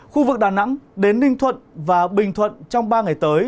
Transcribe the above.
khu vực đà nẵng đến ninh thuận và bình thuận trong ba ngày tới